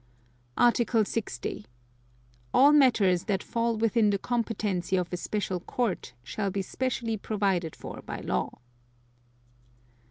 Article 60. All matters that fall within the competency of a special Court, shall be specially provided for by law.